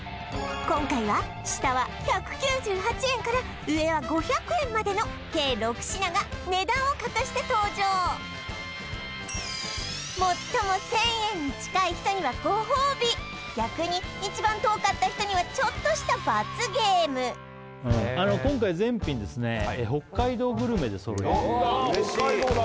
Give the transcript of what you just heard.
今回は下は１９８円から上は５００円までの計６品が値段を隠して登場最も１０００円に近い人にはごほうび逆に一番遠かった人にはちょっとした罰ゲームあの今回は全品ですね北海道グルメで揃えてあっ北海道だ！